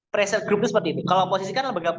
pressure group itu seperti itu kalau oposisi kan